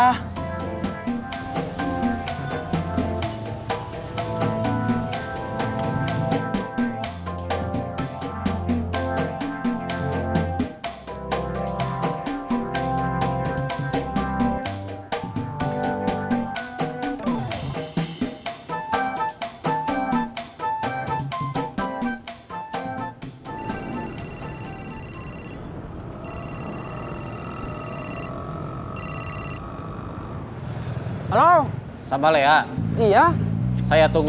kalau kalian buka saja akurat